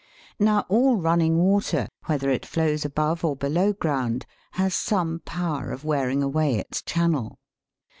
Now all running water, whether it flows above or below ground, has some power of wearing away its channel.